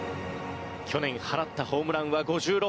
去年放ったホームランは５６本です。